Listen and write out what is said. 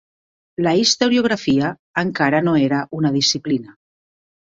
La historiografia encara no era una disciplina.